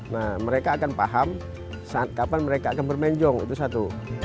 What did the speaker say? nah mereka akan paham saat kapan mereka akan bermain jong itu satu